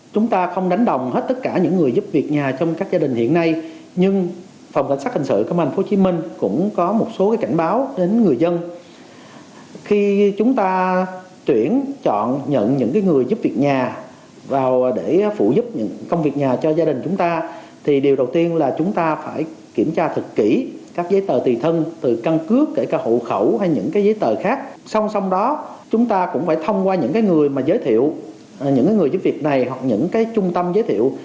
qua những người giúp việc này hoặc những trung tâm giới thiệu